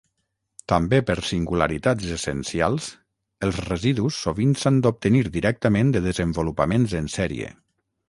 També per singularitats essencials, els residus sovint s'han d'obtenir directament de desenvolupaments en sèrie.